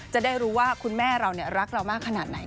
จะได้รู้ว่าคุณแม่เรารักเรามากขนาดไหน